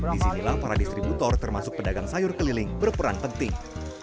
disinilah para distributor termasuk pedagang sayur keliling berperan penting